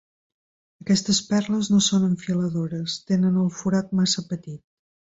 Aquestes perles no són enfiladores: tenen el forat massa petit.